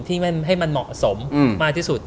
ให้มันเหมาะสมมากที่สุด